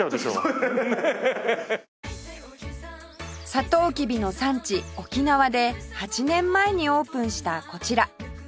サトウキビの産地沖縄で８年前にオープンしたこちら